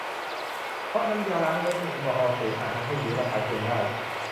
เพราะน้ำยาล้างเล็บมีแอลกอฮอล์สูงอาจทำให้ผิวระคายเคืองได้